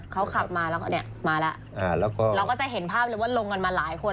เขาขับมาแล้วก็เนี่ยมาแล้วเราก็จะเห็นภาพเลยว่าลงกันมาหลายคน